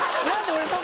俺。